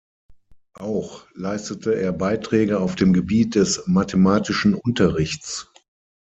Auch leistete er Beiträge auf dem Gebiet des mathematischen Unterrichts.